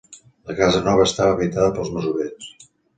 La casa nova estava habitada pels masovers.